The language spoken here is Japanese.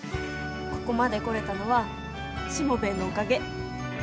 ここまで来れたのはしもべえのおかげ。